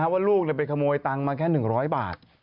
ว่าลูกไปขโมยตังมาแค่หนึ่งร้อยบาท